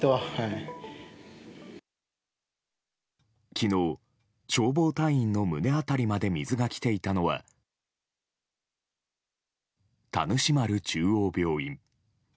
昨日、消防隊員の胸辺りまで水が来ていたのは田主丸中央病院。